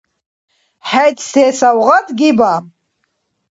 ХӀед се савгъат гиба?